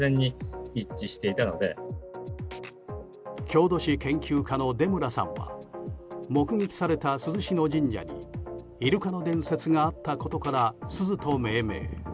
郷土史研究家の出村さんは目撃された珠洲市の神社にイルカの伝説があったことからすずと命名。